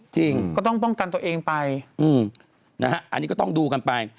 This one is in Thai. จริงก็ต้องป้องกันตัวเองไปอันนี้ก็ต้องดูกันไป